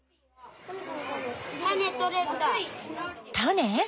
タネ？